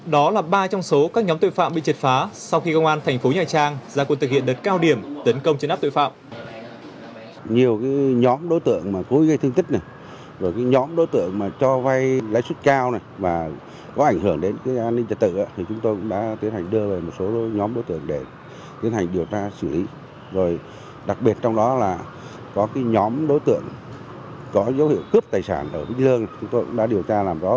đó là ba trong số các nhóm tội phạm bị trệt phá sau khi công an tp nha trang ra cuộc thực hiện đợt cao điểm tấn công trên áp tội phạm